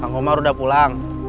kang omar udah pulang